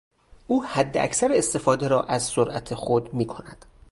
او حداکثر استفاده را از سرعت خود می کند.